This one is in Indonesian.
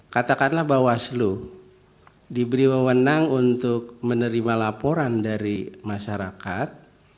katakanlah bahwa seluruh diberi wewenang untuk menerima laporan dari masyarakat